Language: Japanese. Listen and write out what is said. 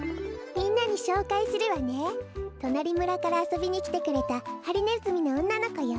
みんなにしょうかいするわね。となりむらからあそびにきてくれたハリネズミのおんなのこよ。